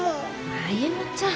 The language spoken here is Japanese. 歩ちゃん。